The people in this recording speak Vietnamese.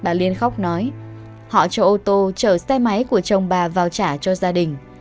bà liên khóc nói họ cho ô tô chở xe máy của chồng bà vào trả cho gia đình